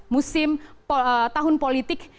musim tahun politik